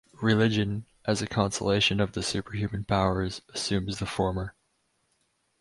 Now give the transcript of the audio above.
Religion, as a conciliation of the superhuman powers, assumes the former.